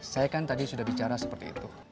saya kan tadi sudah bicara seperti itu